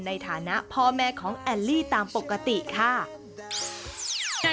ในฐานะพ่อแม่ของแอลลี่ตามปกติค่ะ